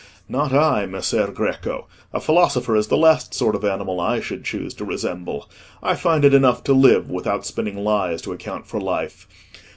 "Not I, Messer Greco; a philosopher is the last sort of animal I should choose to resemble. I find it enough to live, without spinning lies to account for life.